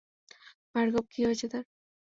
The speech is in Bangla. ভার্গব কী হয়েছে তার?